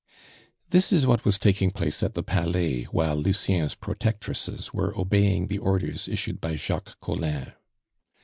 This is what was taking place at the Palais while Lucien's protectresses were obeying the orders issued by Jacques Collin.